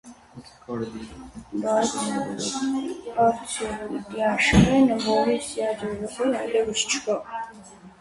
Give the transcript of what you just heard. Իայց արդյոք գիտե՞ Աշխենը, որ իր սիրած երիտասարդն այլևս չկա…